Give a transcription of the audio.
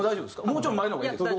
もうちょい前の方がいいですか？